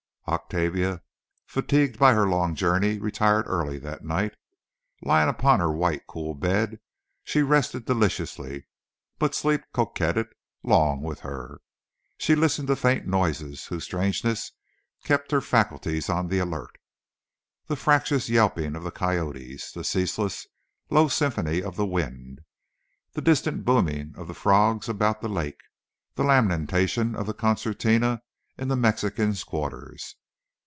Octavia, fatigued by her long journey, retired early that night. Lying upon her white, cool bed, she rested deliciously, but sleep coquetted long with her. She listened to faint noises whose strangeness kept her faculties on the alert—the fractious yelping of the coyotes, the ceaseless, low symphony of the wind, the distant booming of the frogs about the lake, the lamentation of a concertina in the Mexicans' quarters.